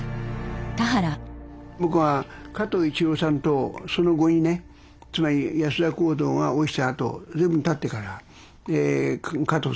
僕は加藤一郎さんとその後にねつまり安田講堂が落ちたあと随分たってから加藤さんと話をしたんだけど。